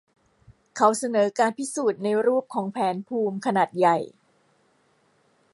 เขาเสนอการพิสูจน์ในรูปของแผนภูมิขนาดใหญ่